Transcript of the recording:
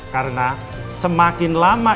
karena semakin lama